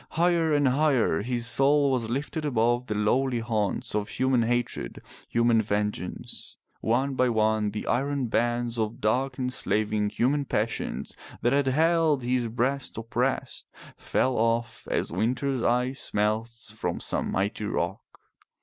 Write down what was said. Higher and higher his soul was lifted above the lowly haunts of human hatred, human vengeance. One by one the iron bands of dark enslaving human passions that had held his breast oppressed, fell off as winter's ice melts from some mighty rock.